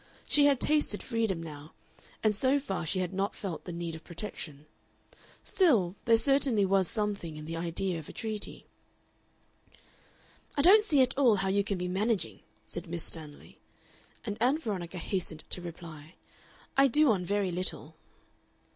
She had tasted freedom now, and so far she had not felt the need of protection. Still, there certainly was something in the idea of a treaty. "I don't see at all how you can be managing," said Miss Stanley, and Ann Veronica hastened to reply, "I do on very little."